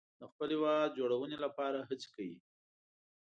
د خپل هیواد جوړونې لپاره هڅې کوي.